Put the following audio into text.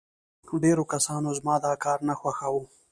ډېرو کسانو زما دا کار نه خوښاوه